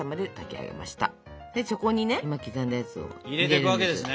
でそこにね今刻んだやつを。入れていくわけですね。